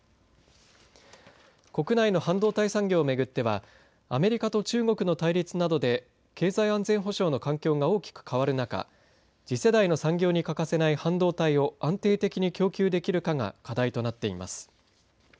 国内の半導体産業を巡ってはアメリカと中国の対立などで経済安全保障の環境が大きく変わる中次世代の産業に欠かせない半導体を安定的に供給できるかが課題となっています。